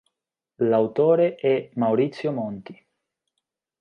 L'autore è Maurizio Monti.